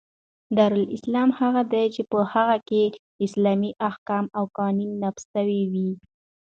دارالاسلام هغه دئ، چي په هغي کښي اسلامي احکام او قوانینو نافظ سوي يي.